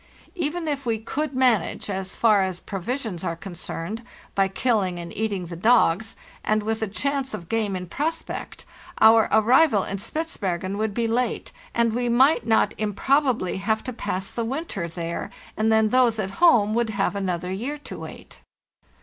Even if we could manage, as far as provisions are concerned, by killing and eating the dogs, and with a chance of game in prospect, our arrival in Spitzbergen would be late, and we might not improbably have to pass the winter there, and then those at home would have another year to wait.